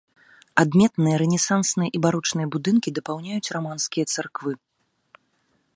Адметныя рэнесансныя і барочныя будынкі дапаўняюць раманскія царквы.